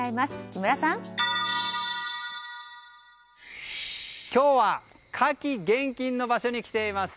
今日は火気厳禁の場所に来ています。